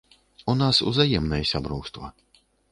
У нас узаемнае сяброўства.